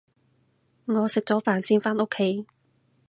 我食咗飯先返屋企